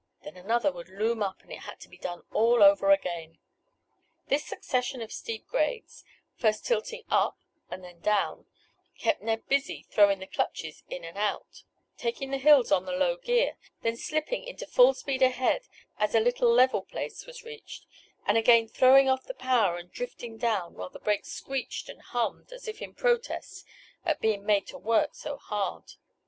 Then another would loom up and it had to be done all over again. This succession of steep grades, first tilting up and then down, kept Ned busy throwing the clutches in and out, taking the hills on the low gear, then slipping into full speed ahead as a little level place was reached, and again throwing off the power and drifting down while the brakes screeched and hummed as if in protest at being made to work so hard.